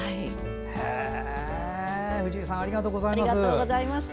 藤井さんありがとうございます。